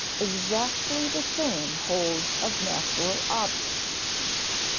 _Exactly the same holds of natural objects.